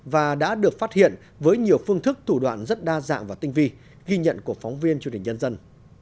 và đã được phát hiện với nhiều phương thức tủ đoạn rất đa dạng và tinh vi ghi nhận của phóng viên chương trình nhân dân